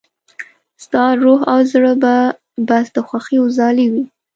ستا روح او زړه به بس د خوښيو ځالې وي.